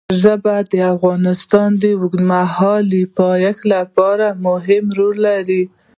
ژبې د افغانستان د اوږدمهاله پایښت لپاره مهم رول لري.